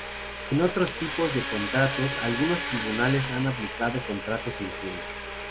En otros tipos de contratos, algunos tribunales han aplicado contratos sin firma.